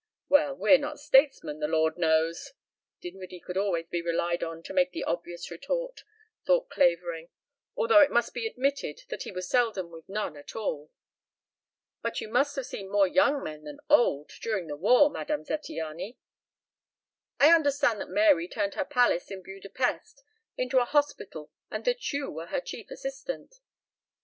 "Well, we're not statesmen, the lord knows." Dinwiddie could always be relied on to make the obvious retort, thought Clavering, although it must be admitted that he was seldom with none at all. "But you must have seen more young men than old during the war, Madame Zattiany. I understand that Mary turned her palace in Buda Pesth into a hospital and that you were her chief assistant."